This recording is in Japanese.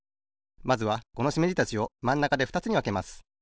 まずはこのしめじたちをまんなかでふたつにわけます。